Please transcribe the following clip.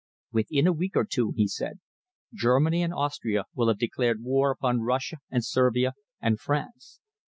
"Within a week or two," he said, "Germany and Austria will have declared war upon Russia and Servia and France.